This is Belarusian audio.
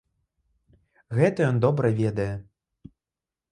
Гэта ён добра ведае.